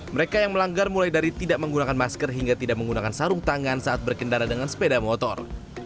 mereka yang melanggar mulai dari tidak menggunakan masker hingga tidak menggunakan sarung tangan saat berkendara dengan sepeda motor